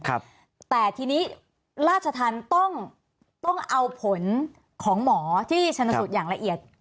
ราชทันต้องเอาผลของหมอที่ชนสุดอย่างละเอียด